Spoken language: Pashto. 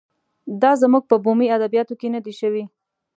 دا زموږ په بومي ادبیاتو کې نه دی شوی.